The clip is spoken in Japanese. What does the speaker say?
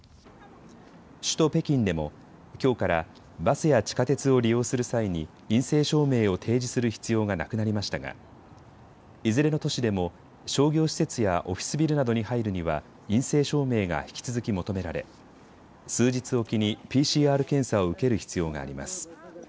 首都・北京でもきょうからバスや地下鉄を利用する際に陰性証明を提示する必要がなくなりましたがいずれの都市でも商業施設やオフィスビルなどに入るには陰性証明が引き続き求められ数日置きにＰＣＲ検査を受ける必要があります。